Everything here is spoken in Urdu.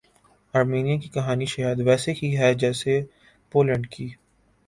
آرمینیا کی کہانی شاید ویسےہی ہے جیسے پولینڈ کی